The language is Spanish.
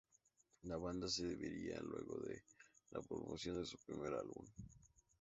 La banda se disolvería luego de la promoción de su primer álbum.